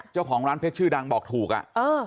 เจ้าของร้านเพชรชื่อดังบอกถูกอ่ะเออ